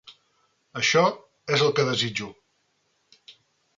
Això és el que desitjo.